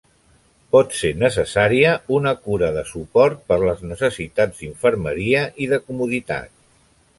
Pot ser necessària una cura de suport per les necessitats d'infermeria i de comoditat.